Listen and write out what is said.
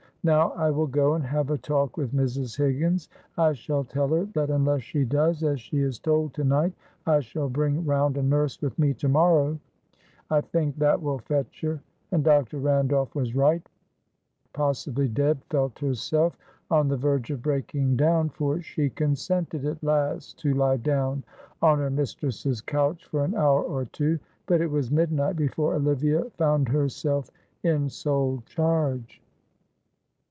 "Now I will go and have a talk with Mrs. Higgins. I shall tell her that unless she does as she is told to night I shall bring round a nurse with me to morrow. I think that will fetch her," and Dr. Randolph was right. Possibly Deb felt herself on the verge of breaking down, for she consented at last to lie down on her mistress's couch for an hour or two, but it was midnight before Olivia found herself in sole charge.